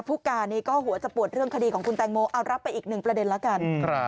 ผู้การนี้ก็หัวจะปวดเรื่องคดีของคุณแตงโมเอารับไปอีกหนึ่งประเด็นแล้วกัน